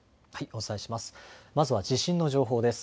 お伝えします。